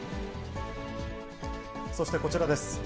そして、こちらです。